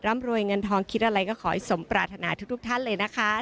ร่ำรวยเงินทองคิดอะไรก็ขอให้สมปรารถนาทุกท่านเลยนะคะ